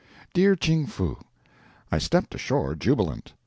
DEAR CHING FOO: I stepped ashore jubilant!